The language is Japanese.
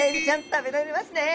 食べられますね。